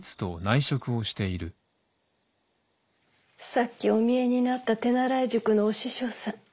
さっきお見えになった手習い塾のお師匠さん。